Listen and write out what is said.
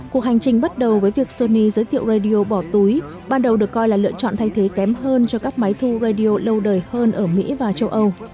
cuộc hành trình bắt đầu với việc sony giới thiệu radio bỏ túi ban đầu được coi là lựa chọn thay thế kém hơn cho các máy thu radio lâu đời hơn ở mỹ và châu âu